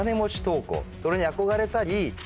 それに憧れたり。